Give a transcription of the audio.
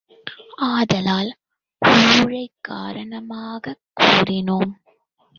ஆதலால், ஊழைக் காரணமாகக் கூறினோம்.